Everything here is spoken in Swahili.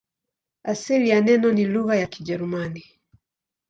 Asili ya neno ni lugha ya Kijerumani.